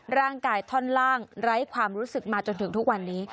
ร่างกายท่อนล่างไร้ความรู้สึกมาจนถึงทุกวันนี้